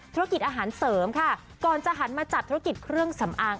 ธุรกิจอาหารเสริมค่ะก่อนจะหันมาจับธุรกิจเครื่องสำอาง